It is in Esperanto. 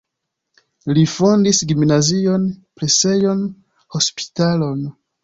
Li fondis gimnazion, presejon, hospitalon.